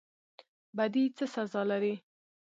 بدی څه سزا لري؟